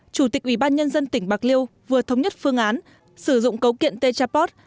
chủ tịch ủy ban nhân dân tỉnh bạc liêu vừa thống nhất phương án sử dụng cấu kiện t chapot